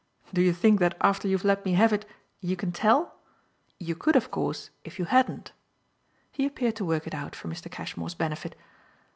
"Do you think that after you've let me have it you can tell? You could, of course, if you hadn't." He appeared to work it out for Mr. Cashmore's benefit.